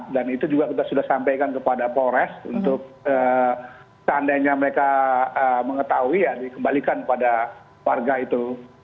dan itu juga kita sudah sampaikan kepada polres untuk seandainya mereka mengetahui ya dikembalikan kepada warga itu